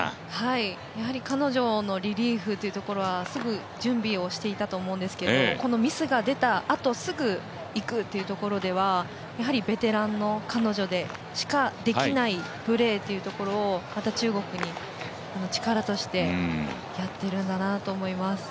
彼女のリリーフというところはすぐ準備をしていたと思うんですけどこのミスが出たあと、すぐ、いくっていうところではやはりベテランの彼女でしかできないプレーというところをまた中国に力としてやっているんだなと思います。